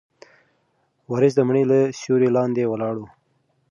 وارث د مڼې له سیوري لاندې ولاړ و.